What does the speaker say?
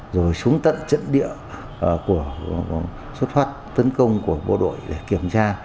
rồi xuống tận trận địa của xuất phát tấn công của bộ đội để kiểm tra